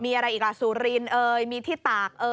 มีอะไรอีกล่ะสูรรินมีที่ตาก